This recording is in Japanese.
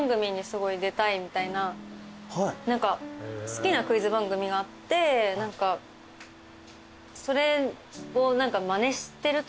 何か好きなクイズ番組があってそれをまねしてるというか。